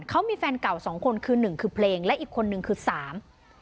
เขามีแฟนเก่าสองคนคือหนึ่งคือเพลงและอีกคนนึงคือสาม